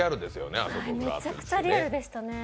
めちゃくちゃリアルでしたね。